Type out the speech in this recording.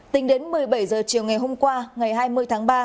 tính đến một mươi bảy h chiều ngày hôm qua ngày hai mươi tháng ba